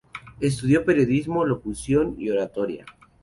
Estudió periodismo, locución y oratoria.